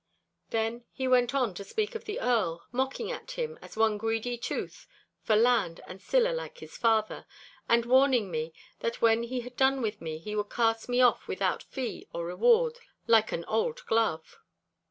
Then he went on to speak of the Earl, mocking at him as one greedy tooth for land and siller like his father, and warning me that when he had done with me he would cast me off without fee or reward, like an old glove.